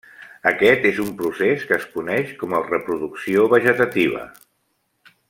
Aquest és un procés que es coneix com a reproducció vegetativa.